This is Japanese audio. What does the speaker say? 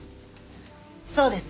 そうです。